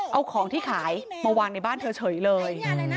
เอาของที่ขายมาวางในบ้านเธอเฉยเลย